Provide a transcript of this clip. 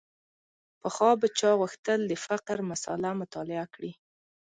پخوا به چا غوښتل د فقر مسأله مطالعه کړي.